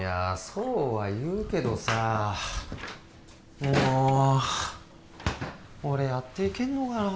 そうはいうけどさもう俺やっていけんのかな